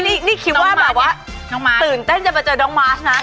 นี่คิดว่าแบบว่าตื่นเต้นจะมาเจอน้องมาสนะ